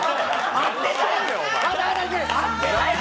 合ってた！！